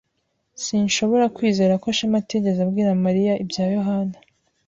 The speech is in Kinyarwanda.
Sinshobora kwizera ko Shema atigeze abwira Mariya ibya Yohana.